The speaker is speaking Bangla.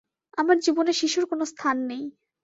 আমার জীবনে শিশুর কোনো স্থান নেই।